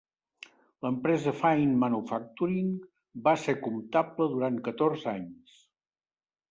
L'empresa Fine Manufacturing va ser comptable durant catorze anys.